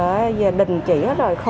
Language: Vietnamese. bây giờ đình chỉ hết rồi